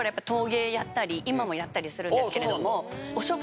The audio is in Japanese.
今もやったりするんですけれども。